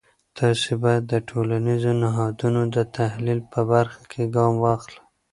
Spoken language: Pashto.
تاسې باید د ټولنیزو نهادونو د تحلیل په برخه کې ګام واخلی.